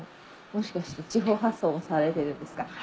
もしかして地方発送されてるんですか？